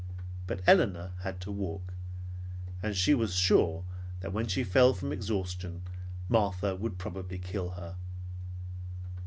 But Elinor had to walk; and she was sure that when she fell from exhaustion, Martha would probably kill her.